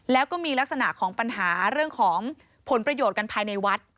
แล้วก็มีลักษณะของปัญหาเรื่องของผลประโยชน์กันภายในวัด